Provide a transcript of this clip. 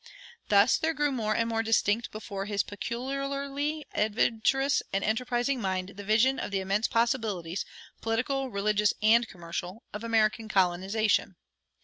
Thus there grew more and more distinct before his peculiarly adventurous and enterprising mind the vision of the immense possibilities, political, religious, and commercial, of American colonization.